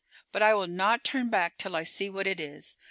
But I will not turn back till I see what it is."